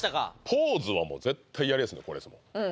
ポーズはもう絶対やりやすいのこれですもん